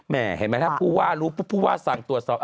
แหมถ้าผู้ว่ารู้ผู้ว่าสั่งตรวจสอบ